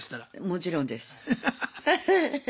もちろんです。